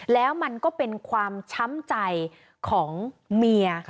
แล้วมันก็เป็นความช้ำใจของเมีย